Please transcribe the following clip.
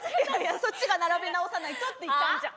そっちが並べ直さないとって言ったんじゃん。